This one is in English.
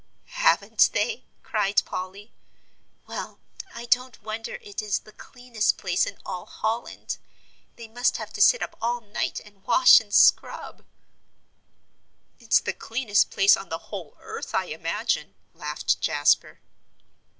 "Haven't they!" cried Polly. "Well, I don't wonder it is the cleanest place in all Holland. They must have to sit up all night and wash and scrub." "It's the cleanest place on the whole earth, I imagine," laughed Jasper.